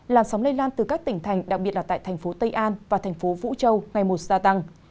làn sóng lây lan từ các tỉnh thành đặc biệt là tại thành phố tây an và thành phố vũ châu ngày một gia tăng